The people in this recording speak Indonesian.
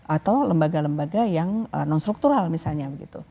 atau lembaga lembaga yang non struktural misalnya